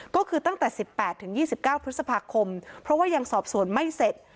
ก็คือตั้งแต่๑๘๒๙พฤษภาคมเพราะว่ายังสอบสวนไม่เสร็จ